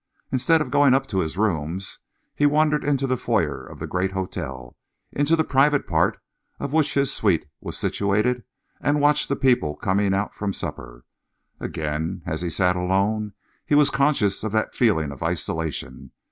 Instead of going up to his rooms, he wandered into the foyer of the great hotel, in the private part of which his suite was situated, and watched the people coming out from supper. Again, as he sat alone, he was conscious of that feeling of isolation.